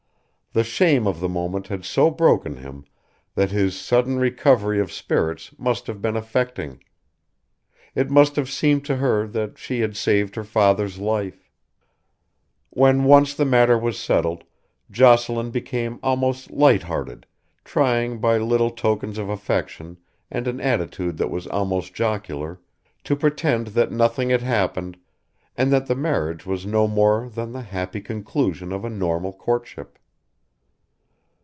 The shame of the moment had so broken him that his sudden recovery of spirits must have been affecting. It must have seemed to her that she had saved her father's life. When once the matter was settled Jocelyn became almost light hearted, trying by little tokens of affection and an attitude that was almost jocular, to pretend that nothing had happened and that the marriage was no more than the happy conclusion of a normal courtship.